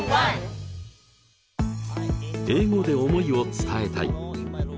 英語で思いを伝えたい！